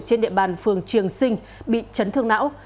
trên địa bàn phường trường sinh bị chấn thương não